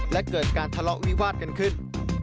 และเกิดการทะเลาะวิวาดกันขึ้น